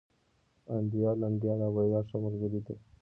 انديال، ننگيال او بريال ښه ملگري دي.